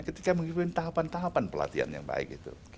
dan dia mengikuti tahapan tahapan pelatihan yang baik